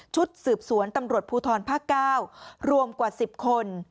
ชุดสืบสวนตำรวจภูทรภาค๙รวมกว่า๑๐คน